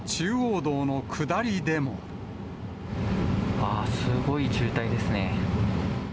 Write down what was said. ああ、すごい渋滞ですね。